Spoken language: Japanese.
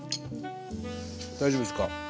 大丈夫ですか。